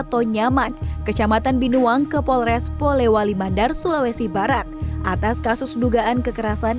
tonyaman kecamatan binuang ke polres polewali mandar sulawesi barat atas kasus dugaan kekerasan